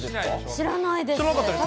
知らないです。